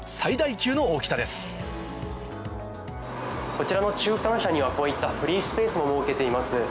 こちらの中間車にはこういったフリースペースも設けています。